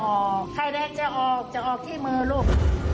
ใครแดงจะออกจะออกที่มือลูก